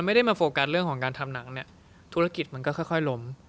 แล้วค่อยล้ม